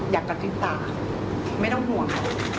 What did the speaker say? อยากกระตุ้นตาไม่ต้องห่วงค่ะ